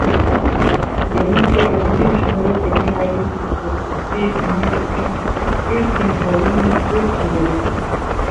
Switzer land کی عالمگیر شہرت رکھنے والی خوب صورتی انہیں اپنے "پنڈ" کے مقابلے میں ہیچ نظر آتی ہے۔